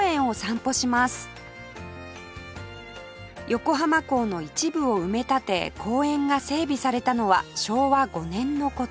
横浜港の一部を埋め立て公園が整備されたのは昭和５年の事